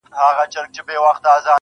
شعرونه نور ورته هيڅ مه ليكه,